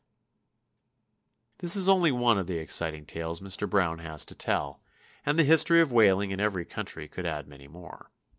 ] This is only one of the exciting tales Mr. Brown has to tell, and the history of whaling in every country could add many more.